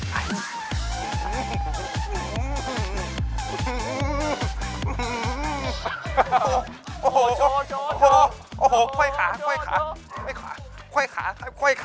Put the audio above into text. ไขว้ขาไขว้ขาไขว้ขา